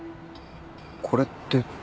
これって。